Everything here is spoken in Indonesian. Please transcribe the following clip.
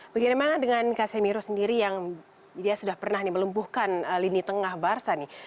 bagaimana dengan casemiro sendiri yang dia sudah pernah melumpuhkan lini tengah barca nih